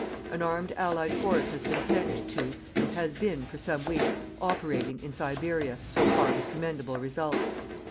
An armed Allied force has been sent to, and has been, for some weeks, operating, in Siberia so far with commendable results.